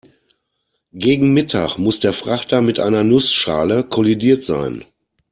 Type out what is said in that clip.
Gegen Mittag muss der Frachter mit einer Nussschale kollidiert sein.